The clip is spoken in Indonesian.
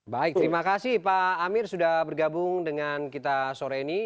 baik terima kasih pak amir sudah bergabung dengan kita sore ini